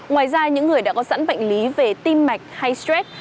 ngoài ra những người đã có sẵn bệnh lý về tim mạch hay stress